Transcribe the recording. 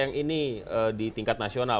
karena partai yang ini di tingkat nasional